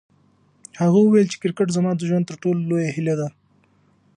هغه وویل چې کرکټ زما د ژوند تر ټولو لویه هیله ده.